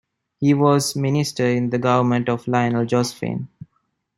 He was minister in the government of Lionel Jospin.